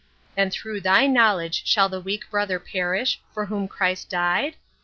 And through thy knowledge shall the weak brother perish, for whom Christ died